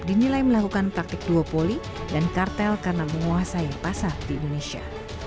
dinilai melakukan praktik duopoli dan kartel karena menguasai pasar di indonesia